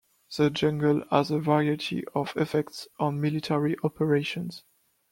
The jungle has a variety of effects on military operations.